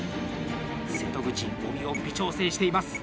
瀬戸口、帯を微調整しています。